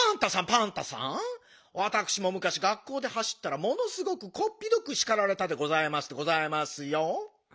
パンタさんわたくしもむかし学校ではしったらものすごくこっぴどくしかられたでございますでございますよ。